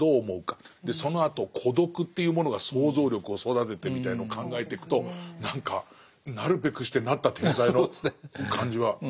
そのあと孤独っていうものが想像力を育ててみたいのを考えていくと何かなるべくしてなった天才の感じは。